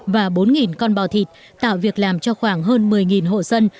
và bốn con bò thịt tạo việc làm cho khoảng hơn một mươi hộ dân